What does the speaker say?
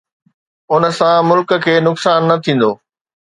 ان سان ملڪ کي نقصان نه ٿيندو؟